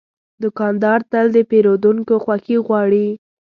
دوکاندار تل د پیرودونکو خوښي غواړي.